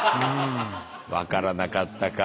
分からなかったか。